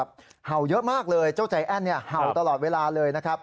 เดี๋ยวคุณล้อยคุณล้อยไม่ได้กันเมื่อคืน